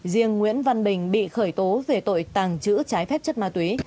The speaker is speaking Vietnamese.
riêng nguyễn văn bình bị khởi tố về tội tàng trữ trái phép chất ma túy